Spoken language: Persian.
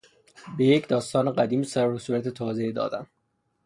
به یک داستان قدیمی سر و صورت تازهای دادن